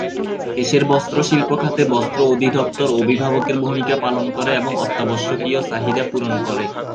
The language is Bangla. দেশের বস্ত্র শিল্প খাতে বস্ত্র অধিদপ্তর অভিভাবকের ভূমিকা পালন করে এবং অত্যাবশ্যকীয় চাহিদা পূরণ করে।